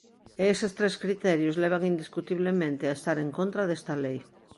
E eses tres criterios levan indiscutiblemente a estar en contra desta lei.